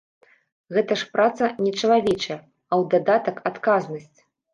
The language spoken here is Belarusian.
Гэта ж праца нечалавечая, а ў дадатак адказнасць.